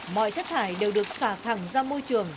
mọi chất thải đều được xả thẳng ra môi trường